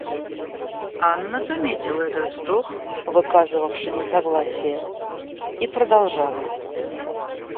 Анна заметила этот вздох, выказывавший несогласие, и продолжала.